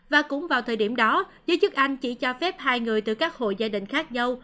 và cũng vào thời điểm đó giới chức anh chỉ cho phép hai người từ các hộ gia đình khác nhau